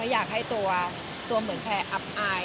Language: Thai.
อยากให้ตัวเหมือนแคร์อับอาย